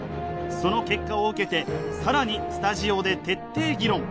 その結果を受けて更にスタジオで徹底議論！